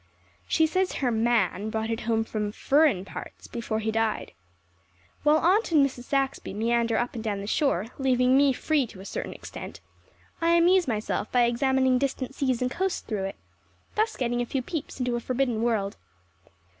She says her "man" brought it home from "furrin' parts" before he died. While Aunt and Mrs. Saxby meander up and down the shore, leaving me free to a certain extent, I amuse myself by examining distant seas and coasts through it, thus getting a few peeps into a forbidden world.